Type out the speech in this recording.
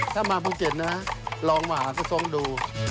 ถ้ามาภูเก็ตนะลองมาก็ต้องดู